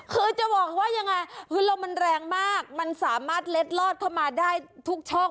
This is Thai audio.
คือจะบอกว่ายังไงคือลมมันแรงมากมันสามารถเล็ดลอดเข้ามาได้ทุกช่อง